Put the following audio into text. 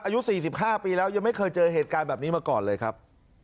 อายุ๔๕ปีแล้วยังไม่เคยเจอเหตุการณ์แบบนี้มาก่อนเลยครับ